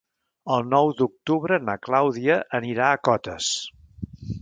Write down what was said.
El nou d'octubre na Clàudia anirà a Cotes.